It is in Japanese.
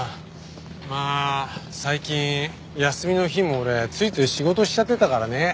まあ最近休みの日も俺ついつい仕事しちゃってたからね。